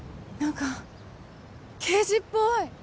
何か刑事っぽい！